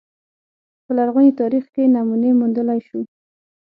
په لرغوني تاریخ کې نمونې موندلای شو